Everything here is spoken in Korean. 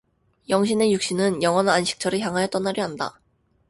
영신의 육신은 영원한 안식처를 향하여 떠나려 한다.